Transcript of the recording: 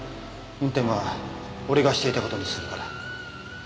運転は俺がしていた事にするから。